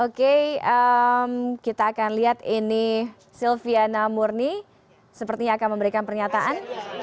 oke kita akan lihat ini silviana murni sepertinya akan memberikan pernyataan